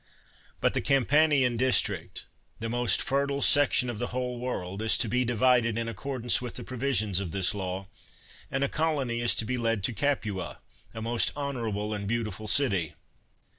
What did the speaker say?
But the Campanian district, the most fertile section of the whole world, is to be divided in accordance with the provisions of this law; and a colony is to be led to Capua, a most honorable and beautiful city.